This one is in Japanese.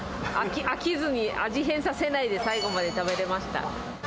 飽きずに味変させないで、最後まで食べられました。